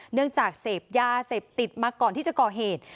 เนื่องจากเสพยาเสพติดมาก่อนที่จะก่อเหตุ